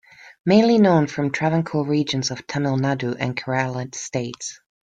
Mainly known from Travancore regions of Tamil Nadu and Kerala states.